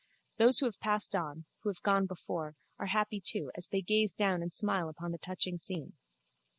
Those who have passed on, who have gone before, are happy too as they gaze down and smile upon the touching scene.